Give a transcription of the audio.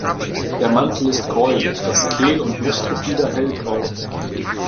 Der Mantel ist gräulich; das Kehl- und Brustgefieder hellgrau.